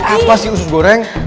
apa sih usus goreng